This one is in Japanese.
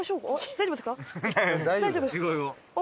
大丈夫？